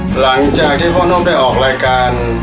หลังจากที่พ่อโน้มไปออกรายการ